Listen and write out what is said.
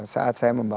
saat saya membaca